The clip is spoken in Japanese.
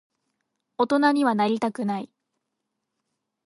大人にはなりたくない。